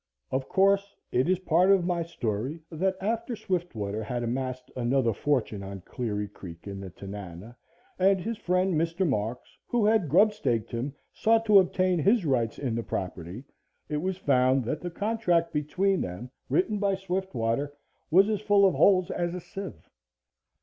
Of course, it is part of my story that after Swiftwater had amassed another fortune on Cleary Creek, in the Tanana, and his friend, Mr. Marks, who had grubstake him, sought to obtain his rights in the property, it was found that the contract between them written by Swiftwater was as full of holes as a sieve.